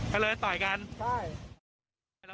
เขาเลยไปต่อยกันใช่